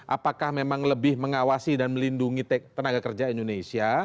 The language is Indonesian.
apakah memang lebih mengawasi dan melindungi tenaga kerja indonesia